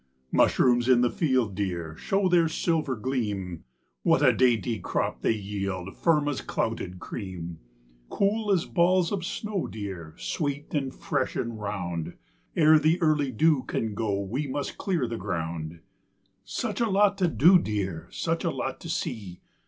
Mushrooms in the field, dear, Show their silver gleam. What a dainty crop they yield Firm as clouted cream, Cool as balls of snow, dear, Sweet and fresh and round! Ere the early dew can go We must clear the ground. Such a lot to do, dear, Such a lot to see!